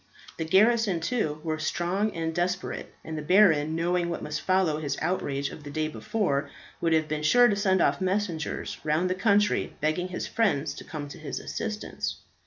The garrison, too, were strong and desperate; and the baron, knowing what must follow his outrage of the day before, would have been sure to send off messengers round the country begging his friends to come to his assistance.